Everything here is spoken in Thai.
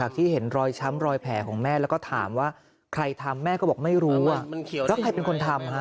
จากที่เห็นรอยช้ำรอยแผลของแม่แล้วก็ถามว่าใครทำแม่ก็บอกไม่รู้ว่า